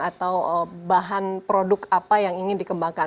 atau bahan produk apa yang ingin dikembangkan